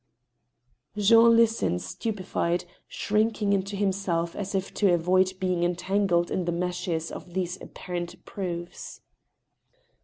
Jean listened stupefied, shrinking into himself as if to avoid being entangled in the meshes of these apparent proofs.